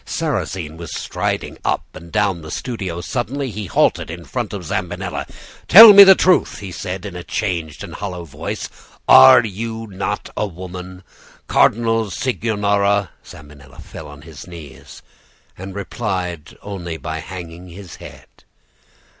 Sarrasine was striding up and down the studio. Suddenly he halted in front of Zambinella. "'Tell me the truth,' he said, in a changed and hollow voice. 'Are you not a woman? Cardinal Cicognara ' "Zambinella fell on his knees, and replied only by hanging his head.